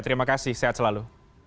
terima kasih sehat selalu